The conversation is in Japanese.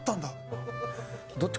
どっち？